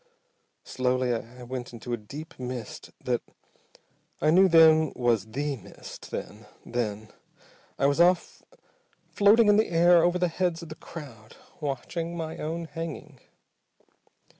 Slowly I went into a deep mist that I knew then was the mist, then then I was off floating in the air over the heads of the crowd, watching my own hanging!